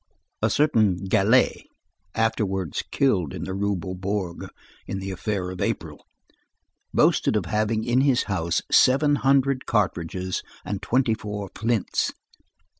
A certain Gallais, afterwards killed in the Rue Beaubourg in the affair of April, boasted of having in his house seven hundred cartridges and twenty four flints.